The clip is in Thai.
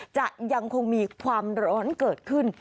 จะยังคงมีความร้อนเกิดขึ้น